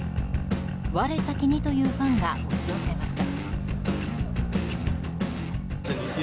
我先にというファンが押し寄せました。